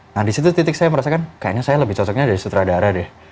nah disitu titik saya merasakan kayaknya saya lebih cocoknya dari sutradara deh